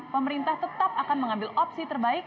pemerintah tetap akan mengambil opsi terbaik